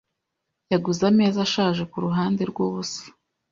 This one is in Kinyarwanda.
Yaguze ameza ashaje kuruhande rwubusa.